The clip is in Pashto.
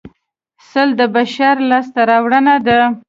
سل د بشر لاسته راوړنه ده